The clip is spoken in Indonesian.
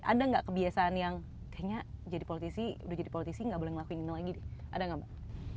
ada gak kebiasaan yang kayaknya jadi politisi udah jadi politisi gak boleh ngelakuin lagi ada gak mbak